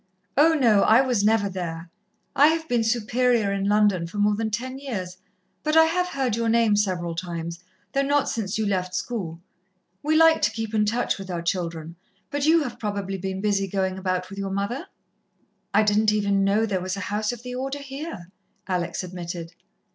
"Oh, no, I was never there. I have been Superior in London for more than ten years, but I have heard your name several times, though not since you left school. We like to keep in touch with our children, but you have probably been busy going about with your mother?" "I didn't even know there was a house of the Order here," Alex admitted.